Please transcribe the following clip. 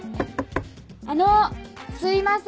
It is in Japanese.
あのすいません。